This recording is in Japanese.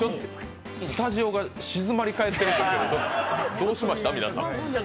スタジオが静まり返ってるんですけど、どうしました、皆さん？